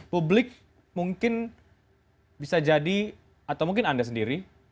publik mungkin bisa jadi atau mungkin anda sendiri